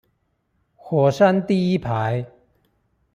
火山第一排